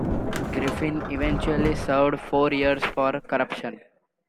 Griffin eventually served four years for corruption.